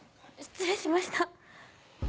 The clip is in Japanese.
失礼しました。